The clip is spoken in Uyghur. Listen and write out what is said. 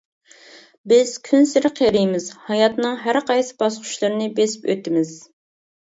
بىز كۈنسېرى قېرىيمىز، ھاياتنىڭ ھەرقايسى باسقۇچلىرىنى بېسىپ ئۆتىمىز.